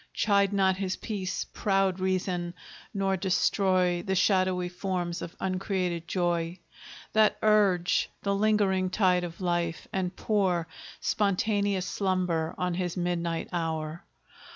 Chide not his peace, proud Reason; nor destroy The shadowy forms of uncreated joy, That urge the lingering tide of life, and pour Spontaneous slumber on his midnight hour.